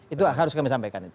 itu harus kami sampaikan